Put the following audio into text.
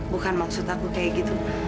bukan maksud aku kayak gitu